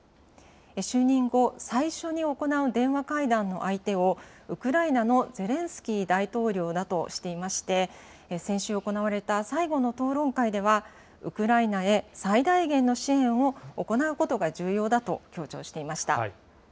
就任後、最初に行う電話会談の相手を、ウクライナのゼレンスキー大統領だとしていまして、先週行われた最後の討論会では、ウクライナへ最大限の支援を行うことが重要だと強調していました。